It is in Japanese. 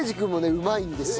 うまいんですよ。